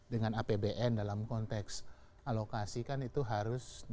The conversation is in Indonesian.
dengan apbn dalam konteks alokasi kan itu harus dijalankan sesuai dengan